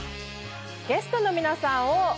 ゲストの皆さんを劉さん。